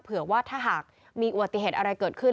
เผื่อว่าถ้าหากมีอุบัติเหตุอะไรเกิดขึ้น